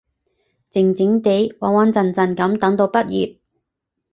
靜靜哋，穩穩陣陣噉等到畢業